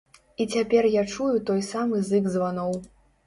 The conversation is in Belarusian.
І цяпер я чую той самы зык званоў.